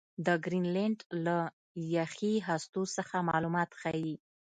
د ګرینلنډ له یخي هستو څخه معلومات ښيي.